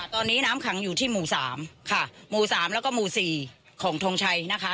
ตอนนี้น้ำขังอยู่ที่หมู่สามค่ะหมู่สามแล้วก็หมู่๔ของทงชัยนะคะ